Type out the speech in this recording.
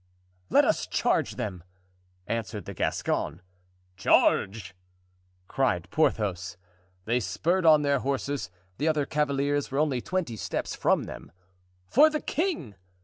"Let us charge them," answered the Gascon. "Charge!" cried Porthos. They spurred on their horses; the other cavaliers were only twenty steps from them. "For the king!"